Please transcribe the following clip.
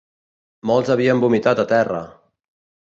Molts havien vomitat a terra